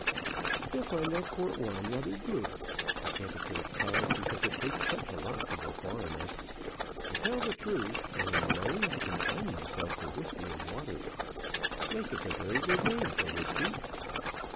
"You'll find that port wine rather good. I can't afford claret, because it takes such a lot to go far enough. To tell the truth, when I'm alone I confine myself to whisky and water. Blake is a very good name for whisky."